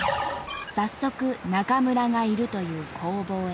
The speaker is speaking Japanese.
早速ナカムラがいるという工房へ。